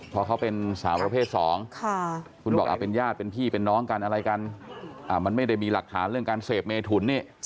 เพราะเขาเป็นสาวประเภท๒คุณบอกเป็นญาติเป็นพี่เป็นน้องกันอะไรกันมันไม่ได้มีหลักฐานเรื่องการเสพเมถุนนี่